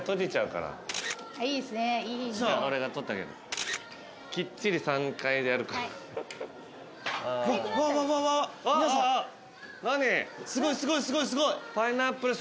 皆さんすごいすごいすごいすごい。